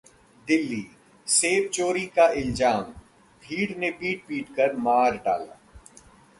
दिल्ली: सेब चोरी का इल्जाम, भीड़ ने पीट-पीटकर मार डाला